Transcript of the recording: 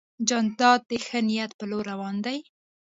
جانداد د ښه نیت په لور روان دی.